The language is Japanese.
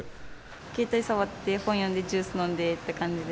携帯触って、本読んで、ジュース飲んでって感じで。